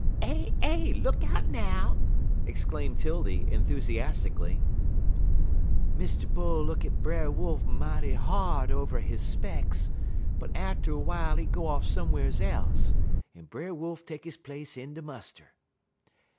'" "Eh eh! Look out, now!" exclaimed 'Tildy, enthusiastically. "Mr. Bull look at Brer Wolf mighty hard over his specks, but atter a w'ile he go off some'rs else, en Brer Wolf take his place in de muster.